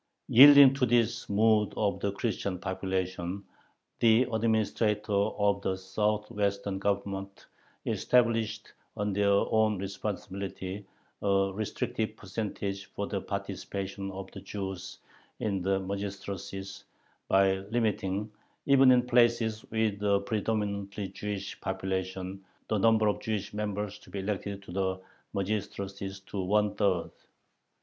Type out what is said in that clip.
Yielding to this mood of the Christian population, the administrators of the southwestern Governments established on their own responsibility a restrictive percentage for the participation of Jews in the magistracies, by limiting, even in places with a predominatingly Jewish population, the number of Jewish members to be elected to the magistracies to one third.